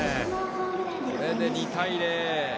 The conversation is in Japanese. これで２対０。